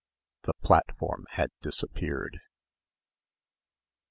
The platform had disappeared.